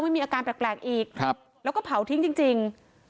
มีอาการแปลกอีกแล้วก็เผาทิ้งจริง